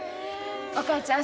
お母ちゃん